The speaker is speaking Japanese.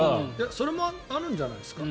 それもあるんじゃないですか？